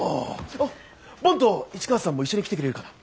あっボンと市川さんも一緒に来てくれるかな？